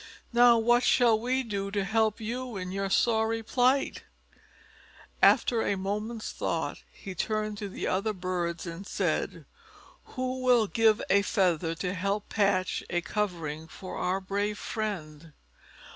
Now what shall we do to help you in your sorry plight?" After a moment's thought he turned to the other birds and said, "Who will give a feather to help patch a covering for our brave friend?"